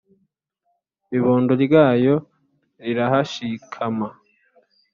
Ibondo ryayo rirahashikama